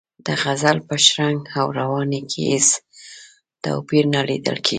د غزل په شرنګ او روانۍ کې هېڅ توپیر نه لیدل کیږي.